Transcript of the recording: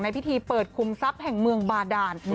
พิธีเปิดคุมทรัพย์แห่งเมืองบาดาน